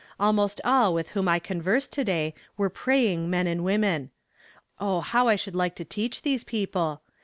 Almost all with whom I conversed to day were praying men and women. Oh, how I should like to teach these people!